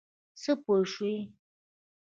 څه پوه شوې؟